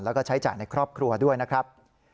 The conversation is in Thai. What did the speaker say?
แล้วก็ใช้จ่ายในครอบครัวด้วยนะครับ